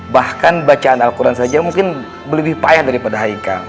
bahkan bacaan al quran saja mungkin lebih payah daripada haika